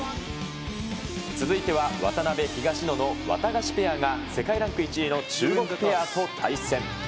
続いては、渡辺・東野のワタガシペアが世界ランク１位の中国ペアと対戦。